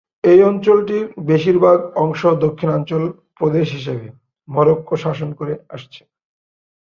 এই অঞ্চলটির বেশিরভাগ অংশ দক্ষিণাঞ্চল প্রদেশ হিসাবে, মরক্কো শাসন করে আসছে।